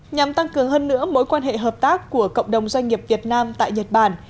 nhằm tăng cường hơn nữa mối quan hệ hợp tác của cộng đồng doanh nghiệp việt nam tại nhật bản